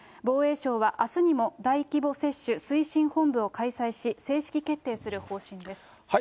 防衛省はあすにも、大規模接種推進本部を開催し、正式決定する方針です。